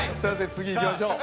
次いきましょう。